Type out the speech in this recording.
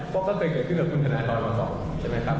เพราะก็เคยเกิดขึ้นกับคุณธนากรว๒ใช่ไหมครับ